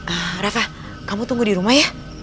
eh rafa kamu tunggu di rumah ya